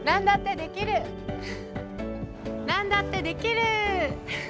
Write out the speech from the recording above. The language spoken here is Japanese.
なんだってできる。